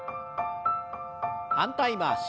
反対回し。